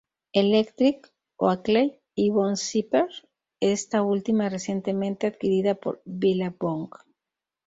Electric, Oakley y Von Zipper, esta última recientemente adquirida por Billabong.